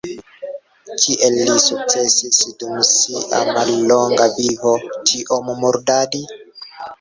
Kiel li sukcesis dum sia mallonga vivo tiom murdadi?